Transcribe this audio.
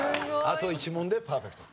あと１問でパーフェクト。